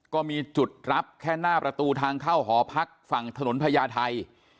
ก็มีจุดรับแค่หน้าประตูทางเข้าหอพักฝั่งถนนพญาไทย